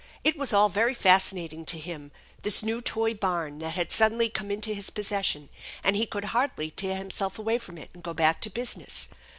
It was all very fascinating to him, this new toy barn that had suddenly come into his possession, and he could hardly tear himself away from it and go back to business.